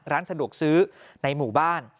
ร้านสะดวกซื้อในหมู่บ้าน